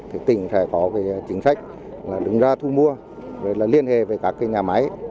thì tỉnh sẽ có chính sách đứng ra thu mua liên hệ với các nhà máy